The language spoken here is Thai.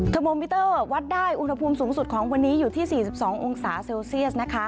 โมมิเตอร์วัดได้อุณหภูมิสูงสุดของวันนี้อยู่ที่๔๒องศาเซลเซียสนะคะ